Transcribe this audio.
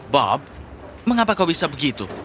bob mengapa kau bisa begitu